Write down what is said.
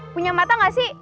punya mata gak sih